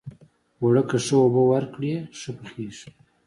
اوړه که ښه اوبه ورکړې، ښه پخیږي